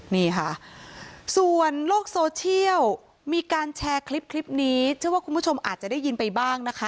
นี่ค่ะส่วนโลกโซเชียลมีการแชร์คลิปนี้เชื่อว่าคุณผู้ชมอาจจะได้ยินไปบ้างนะคะ